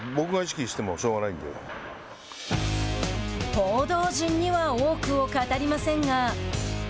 報道陣には多くを語りませんが。